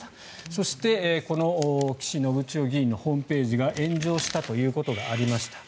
そしてこの岸信千世議員のホームページが炎上したということがありました。